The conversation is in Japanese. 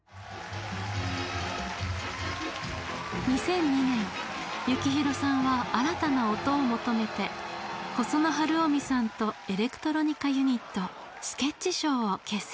２００２年幸宏さんは新たな音を求めて細野晴臣さんとエレクトロニカ・ユニットｓｋｅｔｃｈｓｈｏｗを結成しました。